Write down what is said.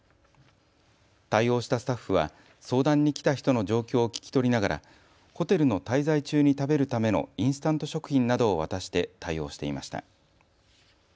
対応したスタッフは相談に来た人の状況を聞き取りながらホテルの滞在中に食べるためのインスタント食品などを渡して対応していました。